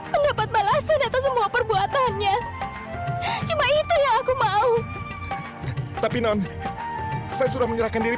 mendapat balasan atas semua perbuatannya cuma itu ya aku mau tapi non saya sudah menyerahkan diri